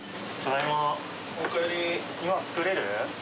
今、作れる？